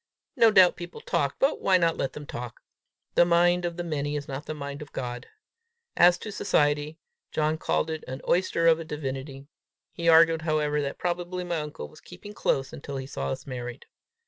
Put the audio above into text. No doubt people talked, but why not let them talk? The mind of the many is not the mind of God! As to society, John called it an oyster of a divinity. He argued, however, that probably my uncle was keeping close until he saw us married.